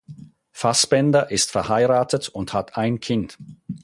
Fasbender ist verheiratet und hat ein Kind.